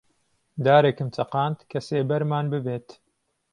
دارێکم چەقاند کە سێبەرمان ببێت